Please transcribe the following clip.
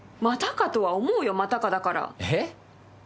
またかとは思うよ、またかだえ？